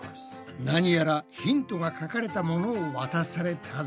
何やらヒントが書かれたものを渡されたぞ。